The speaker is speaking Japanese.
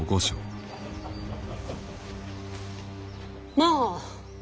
まあ。